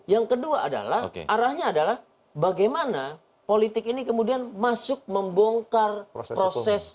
yang kedua adalah arahnya adalah bagaimana politik ini kemudian masuk membongkar proses